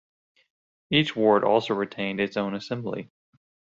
Each ward also retained its own assembly.